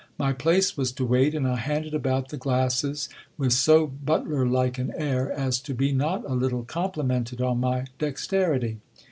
My place was to wait ; and I handed about the glasses with so butler like an air, as to be not a little complimented on my dexterity.